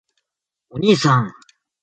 おにいさん！！！